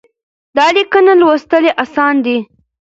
دا ليکنه لوستل اسانه ده.